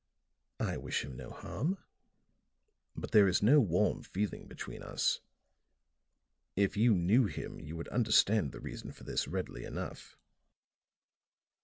"I wish him no harm. But there is no warm feeling between us. If you knew him you would understand the reason for this readily enough."